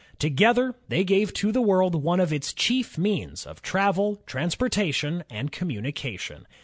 Together they gave to the world one of its chief means of travel, transportation, and communication.